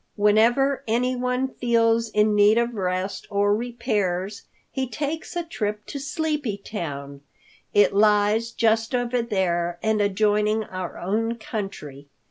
"Whenever anyone feels in need of rest or repairs, he takes a trip to Sleepy Town. It lies just over there and adjoining our own country.